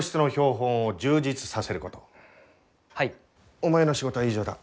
お前の仕事は以上だ。